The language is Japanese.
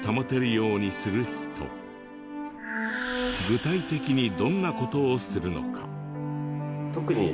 具体的にどんな事をするのか？